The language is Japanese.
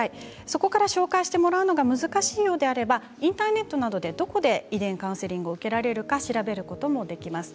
そこから紹介してもらうのが難しいようであればインターネットなどでどこで遺伝カウンセリングを受けられるか調べることもできます。